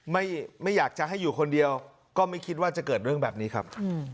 ไม่ไม่อยากจะให้อยู่คนเดียวก็ไม่คิดว่าจะเกิดเรื่องแบบนี้ครับ